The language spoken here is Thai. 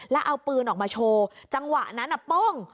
แล้วเอาปืนออกมาโชว์จังหวะนั้นโป้ง